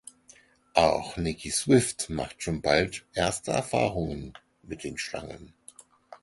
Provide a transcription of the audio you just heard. Auch Nicky Swift macht schon bald erste Erfahrungen mit den Schlangen.